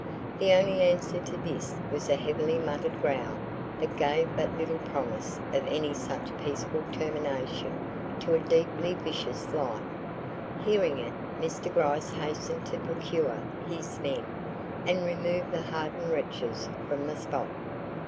The only answer to this was a heavily muttered growl that gave but little promise of any such peaceful termination to a deeply vicious life. Hearing it, Mr. Gryce hastened to procure his men and remove the hardened wretches from the spot.